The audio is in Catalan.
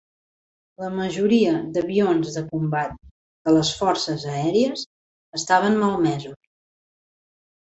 La majoria d'avions de combat de les forces aèries estaven malmesos.